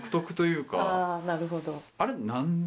なるほど。